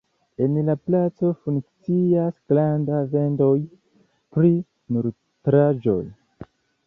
En la placo funkcias granda vendejo pri nutraĵoj.